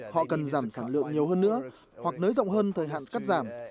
họ cần giảm sản lượng nhiều hơn nữa hoặc nới rộng hơn thời hạn cắt giảm